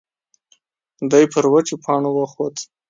دی پر وچو پاڼو وخوت.